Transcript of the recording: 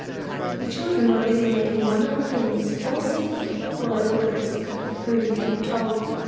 The children were busy making wonderful things "all secret;" or they would have been secret if Prudy hadn't told.